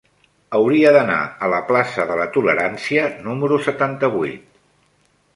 Hauria d'anar a la plaça de la Tolerància número setanta-vuit.